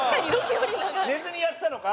寝ずにやってたのか？